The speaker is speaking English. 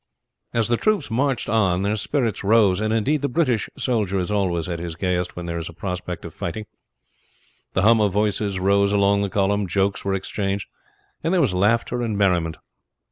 As the troops marched on their spirits rose and indeed the British soldier is always at his gayest when there is a prospect of fighting the hum of voices rose along the column, jokes were exchanged, and there was laughter and merriment.